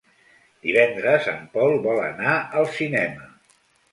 Divendres en Pol vol anar al cinema.